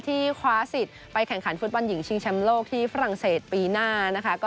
คว้าสิทธิ์ไปแข่งขันฟุตบอลหญิงชิงแชมป์โลกที่ฝรั่งเศสปีหน้านะคะ